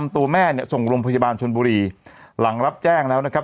ตัวแม่เนี่ยส่งโรงพยาบาลชนบุรีหลังรับแจ้งแล้วนะครับ